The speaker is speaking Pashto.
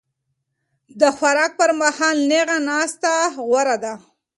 د خوراک پر مهال نېغه ناسته غوره ده.